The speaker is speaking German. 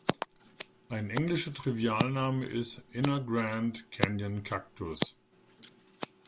Ein englischer Trivialname ist „Inner Grand Canyon Cactus“.